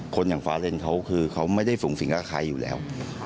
คนอย่างฟ้าเรนชีวิตก็ไม่ได้สูงศิลป์ใครอยู่แล้ว